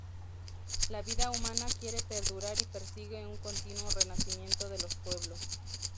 La vida humana quiere perdurar y persigue un continuo renacimiento de los pueblos.